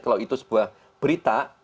kalau itu sebuah berita